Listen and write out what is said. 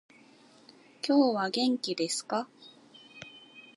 今日は元気ですか？